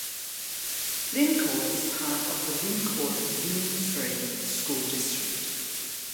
Lyncourt is part of the Lyncourt Union-Free School District.